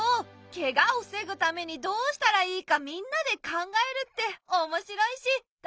ケガを防ぐためにどうしたらいいかみんなで考えるっておもしろいし大事なことなんだね！